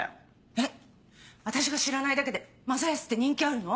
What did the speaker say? えっ私が知らないだけで正恭って人気あるの？